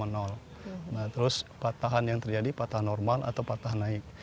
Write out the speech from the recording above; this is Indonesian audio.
nah terus patahan yang terjadi patah normal atau patah naik